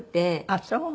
あっそう。